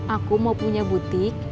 aku mau punya butik